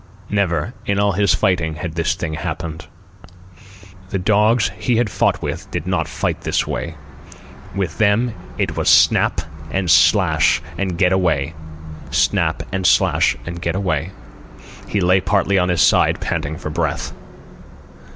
Never, in all his fighting, had this thing happened. The dogs he had fought with did not fight that way. With them it was snap and slash and get away, snap and slash and get away. He lay partly on his side, panting for breath.